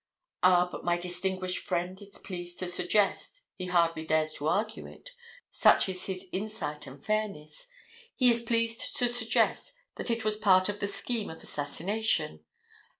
Ah, but my distinguished friend is pleased to suggest—he hardly dares to argue it, such is his insight and fairness—he is pleased to suggest that it was part of the scheme of assassination.